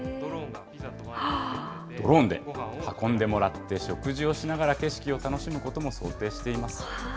ドローンで運んでもらって食事をしながら景色を楽しむことも想定